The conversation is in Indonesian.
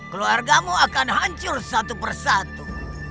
keluargamu akan hancur satu persatu